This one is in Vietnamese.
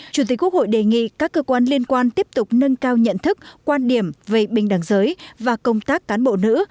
chủ tịch quốc hội đề nghị các cơ quan liên quan tiếp tục nâng cao nhận thức quan điểm về bình đẳng giới và công tác cán bộ nữ